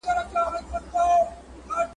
زه به راځمه خامخا راځمه !.